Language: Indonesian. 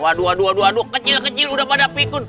waduh aduh aduh aduh kecil kecil udah pada pikun